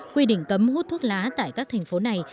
quy định cấm hút thuốc lá tại các thành phố này